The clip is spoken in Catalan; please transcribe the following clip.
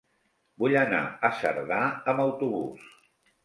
Vull anar a Cerdà amb autobús.